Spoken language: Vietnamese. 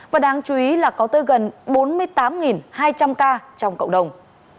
và đáng chú ý là có tới gần bốn mươi tám hai trăm linh ca trong cộng đồng